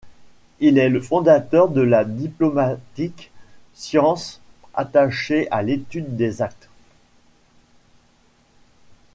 Il est le fondateur de la diplomatique, science attachée à l'étude des actes.